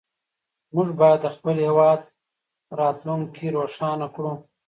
موږ باید د خپل هېواد راتلونکې روښانه کړو.